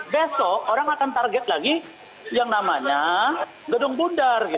besok orang akan target lagi yang namanya gedung bundar